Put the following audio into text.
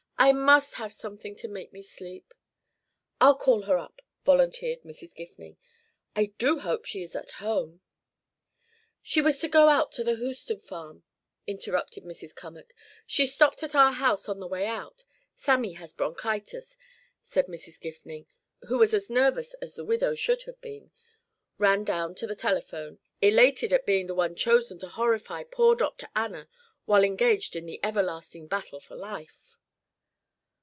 "I must have something to make me sleep " "I'll call her up!" volunteered Mrs. Gifning. "I do hope she is at home " "She was to go out to the Houston farm," interrupted Mrs. Cummack. "She stopped at our house on the way out Sammy has bronchitis "; and Mrs. Gifning, who was as nervous as the widow should have been, ran down to the telephone, elated at being the one chosen to horrify poor Dr. Anna while engaged in the everlasting battle for life.